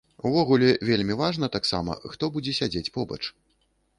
Увогуле, вельмі важна таксама, хто будзе сядзець побач.